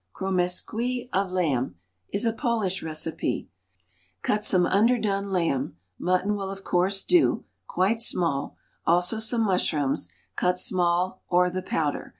CROMESQUIS OF LAMB is a Polish recipe. Cut some underdone lamb mutton will of course do quite small; also some mushrooms, cut small, or the powder.